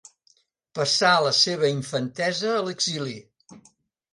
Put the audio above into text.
Passà la seva infantesa a l'exili.